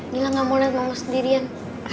gilang gak mau liat mama sendirian